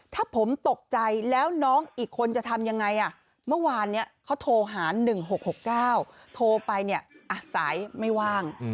ถ้าผมตกใจแล้วน้องอีกคนจะทำยังไงเมื่อวานนี้เขาโทรหา๑๖๖๙โทรไปเนี่ยสายไม่ว่าง